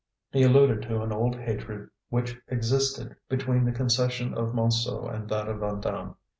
He alluded to an old hatred which existed between the concession of Montsou and that of Vandame.